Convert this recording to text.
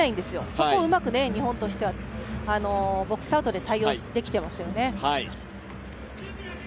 そこをうまく日本としてはボックスアウトで対応できてますよね。